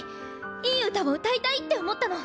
いい歌を歌いたいって思ったの。